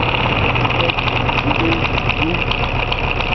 Au fait, dites donc, vous…